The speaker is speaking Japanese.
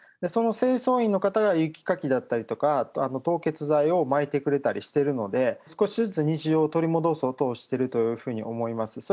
その清掃員の方が雪かきだったりとか、凍結剤をまいてくれたりしているので、少しずつ日常を取り戻そうとしているというふうに思います。